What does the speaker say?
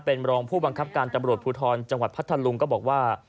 เป็นรองผู้บังคับการตำรวจภูทรจังหวัดพัทธลุงก็บอกว่า